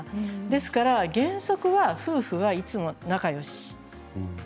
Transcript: ですから原則は夫婦はいつも仲よし。